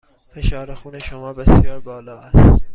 فشار خون شما بسیار بالا است.